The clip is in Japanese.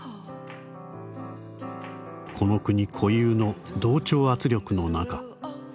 「この国固有の同調圧力の中。